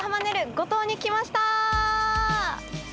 五島に来ました！